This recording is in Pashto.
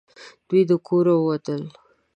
دوی د کوره ووتل .